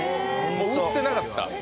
売ってなかった。